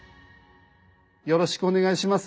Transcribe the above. よろしくお願いします。